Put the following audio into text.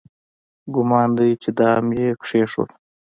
ګومان دی چې دام یې کېښود.